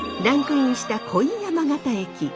ランクインした恋山形駅。